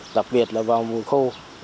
đặc biệt là vào mùa khô